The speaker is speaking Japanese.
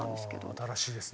新しいですね。